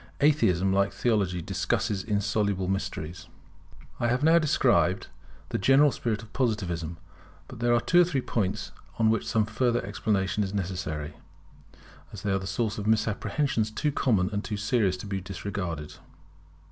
Atheism, like Theology, discusses insoluble mysteries] I have now described the general spirit of Positivism. But there are two or three points on which some further explanation is necessary, as they are the source of misapprehensions too common and too serious to be disregarded.